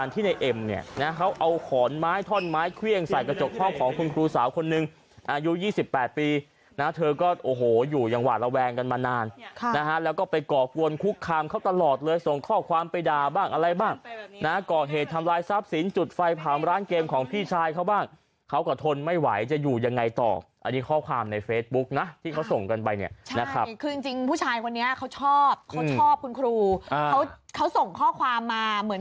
ทีนะเธอก็โอ้โหอยู่อย่างหวานระแวงกันมานานนะฮะแล้วก็ไปกรอกวนคุกคามเขาตลอดเลยส่งข้อความไปด่าบ้างอะไรบ้างนะกรอกเหตุทำลายทราบสินจุดไฟผ่ามร้านเกมของพี่ชายเขาบ้างเขาก็ทนไม่ไหวจะอยู่ยังไงต่ออันนี้ข้อความในเฟซบุ๊คนะที่เขาส่งกันไปเนี่ยนะครับคือจริงผู้ชายคนนี้เขาชอบเขาชอบคุณครูเขาส่งข้อความมาเห